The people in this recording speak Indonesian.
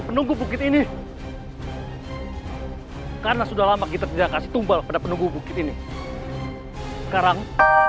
menunggu bukit ini karena sudah lama kita tidak kasih tumpel pada penunggu bukit ini sekarang